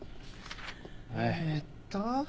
えーっと。